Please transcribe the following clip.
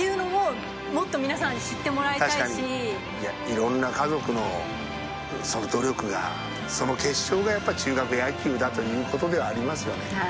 いろんな家族のその努力がその結晶がやっぱ中学野球だということではありますよね。